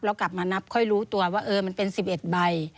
กลับมานับค่อยรู้ตัวว่ามันเป็น๑๑ใบ